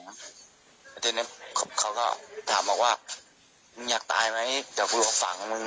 แล้วทีนี้เขาก็ถามออกว่ามึงอยากตายไหมจะฝั่งมึง